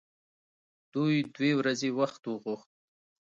دوی دوې ورځې وخت وغوښت.